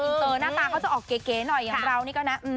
หน้าตาเขาจะออกเก๋หน่อยอย่างเรานี่ก็นะ